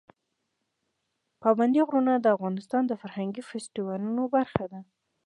پابندی غرونه د افغانستان د فرهنګي فستیوالونو برخه ده.